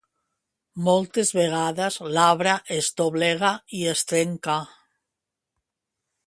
Moltes vegades l'arbre es doblega i es trenca.